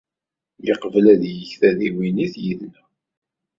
Yeqbel ad yeg tadiwennit yid-neɣ.